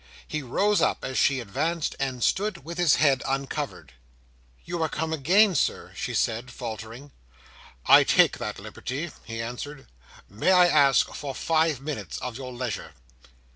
He rose up as she advanced, and stood with his head uncovered. "You are come again, Sir!" she said, faltering. "I take that liberty," he answered. "May I ask for five minutes of your leisure?"